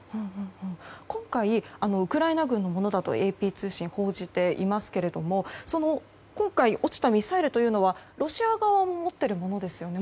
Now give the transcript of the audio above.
今回ウクライナ軍のものだとＡＰ通信報じていますけれども今回落ちたミサイルというのはロシア側も持っているものですね